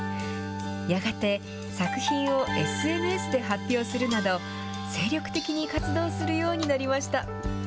やがて作品をＳＮＳで発表するなど精力的に活動するようになりました。